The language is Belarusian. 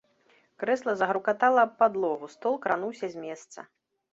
Крэсла загрукатала аб падлогу, стол крануўся з месца.